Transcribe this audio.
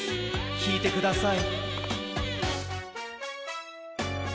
きいてください。